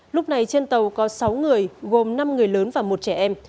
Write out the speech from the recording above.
lúc này trên tàu có sáu người gồm năm người lớn và một trẻ em